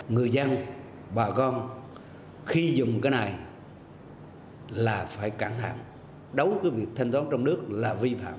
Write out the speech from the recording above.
người dân bà con khi dùng cái này là phải cẩn thận đấu với việc thanh toán trong nước là vi phạm